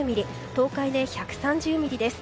東海で１３０ミリです。